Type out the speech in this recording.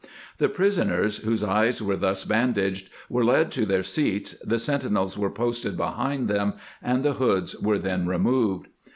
The prisoners, whose eyes were thus bandaged, were led to their seats, the sentinels were posted behind them, and the hoods were then re moved.